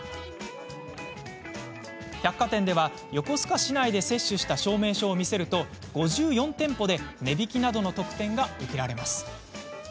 百貨店では、横須賀市内で接種した証明書を見せると５４店舗で値引きなどの特典が受けられます。